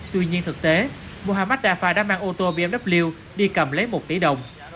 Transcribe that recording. tuy nhiên thực tế mohammad dafa đã mang ô tô bmw đi cầm lấy một tỷ đồng